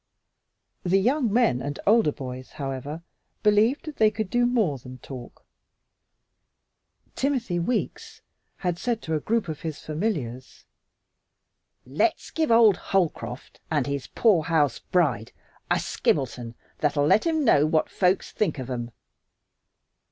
The young men and older boys, however, believed that they could do more than talk. Timothy Weeks had said to a group of his familiars, "Let's give old Holcroft and his poorhouse bride a skimelton that will let 'em know what folks think of 'em."